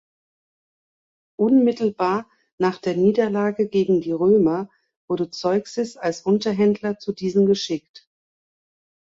Unmittelbar nach der Niederlage gegen die Römer wurde Zeuxis als Unterhändler zu diesen geschickt.